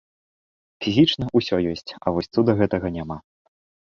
Фізічна ўсё ёсць, а вось цуда гэтага няма.